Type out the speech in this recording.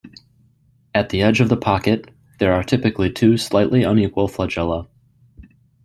At the edge of the pocket there are typically two slightly unequal flagella.